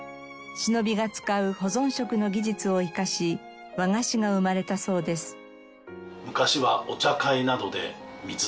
忍びが使う保存食の技術を生かし和菓子が生まれたそうです。